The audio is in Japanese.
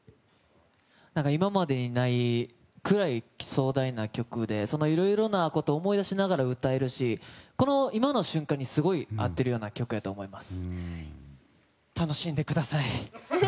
今までにないくらい壮大な曲でそのいろいろなことを思い出しながら歌えるしこの今の瞬間にすごく合っている曲やと思います。